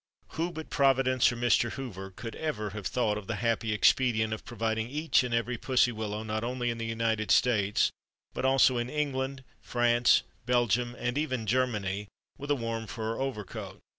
Who but Providence (or Mr. Hoover) could ever have thought of the happy expedient of providing each and every Pussy Willow, not only in the United States but also in England, France, Belgium and even Germany, with a warm fur overcoat!